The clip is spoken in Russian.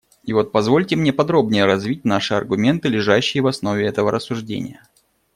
И вот позвольте мне подробнее развить наши аргументы, лежащие в основе этого рассуждения.